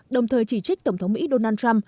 đồng thời chỉ trích tổng thống mỹ donald trump